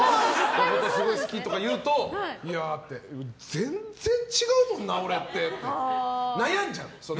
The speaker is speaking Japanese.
すごい好きとか言うと全然違うもんな俺ってって悩んじゃう。